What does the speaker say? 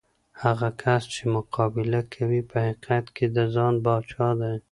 هغه کس چې مقابله کوي، په حقیقت کې د ځان پاچا دی.